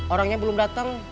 orangnya belum dateng